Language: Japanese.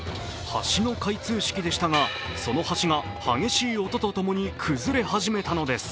橋の開通式でしたがその橋が激しい音と共に崩れ始めたのです。